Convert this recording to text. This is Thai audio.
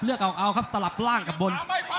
เอาครับสลับล่างกับบน